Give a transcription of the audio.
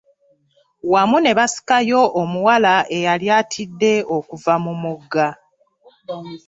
Wamu ne basikayo omuwala eyali atidde okuva mu mugga.